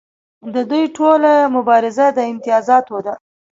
د دوی ټوله مبارزه د امتیازاتو ده.